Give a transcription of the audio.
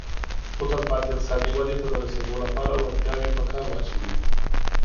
خو تلپاتې اقتصادي ودې ته د رسېدو لپاره وړتیاوې په کار واچوي